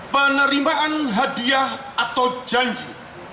penerimaan hadiah atau janji